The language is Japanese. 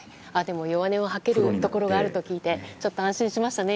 弱音を吐けるところがあると聞いてちょっと安心しましたね。